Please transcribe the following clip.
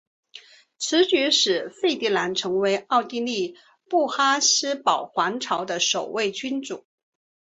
此举使费迪南成为了奥地利哈布斯堡皇朝的首位君主。